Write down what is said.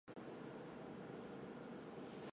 诸部大人请贺讷兄弟举拓跋圭为主。